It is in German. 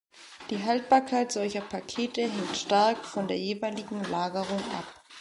Die Haltbarkeit solcher Pakete hängt stark von der jeweiligen Lagerung ab.